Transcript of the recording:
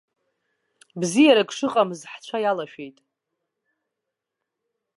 Бзиарак шыҟамыз ҳцәа иалашәеит.